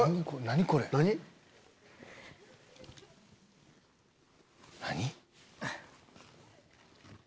何これ⁉何？